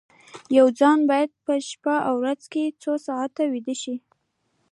یو ځوان باید په شپه او ورځ کې څو ساعته ویده شي